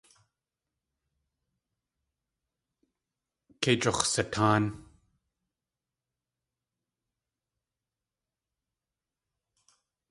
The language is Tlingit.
Kei jigux̲satáan.